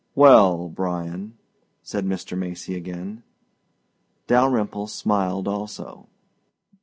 "Well Bryan," said Mr. Macy again. Dalyrimple smiled also.